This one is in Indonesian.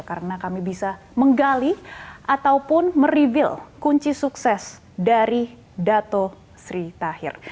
karena kami bisa menggali ataupun merivel kunci sukses dari dato sri tahir